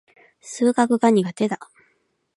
数学が苦手だ。